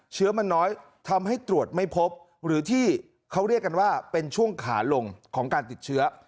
เชื้อมันน้อยทำให้ตรวจไม่พบหรือที่เขาเรียกกันว่าเป็นช่วงขาลงของการติดเชื้อ